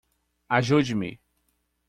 Ajude-me!